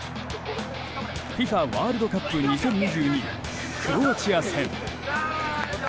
ＦＩＦＡワールドカップ２０２２、クロアチア戦。